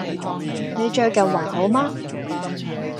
你最近還好嗎